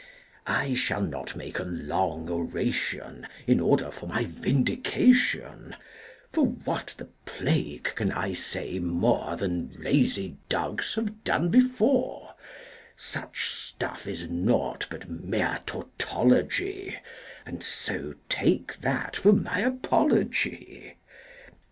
I shall not make a long oration in order for my vindication, For what the plague can I say more Than lazy dogs have done before; Such stuff is naught but mere tautology, And so take that for my apology.